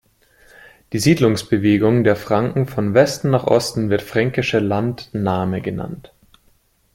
Die Siedlungsbewegung der Franken von Westen nach Osten wird Fränkische Landnahme genannt.